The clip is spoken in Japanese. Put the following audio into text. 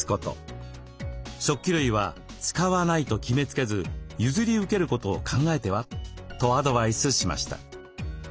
食器類は「使わない」と決めつけず譲り受けることを考えては？とアドバイスしました。